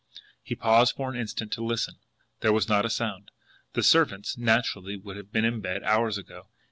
He paused for an instant to listen. There was not a sound. The servants, naturally, would have been in bed hours ago.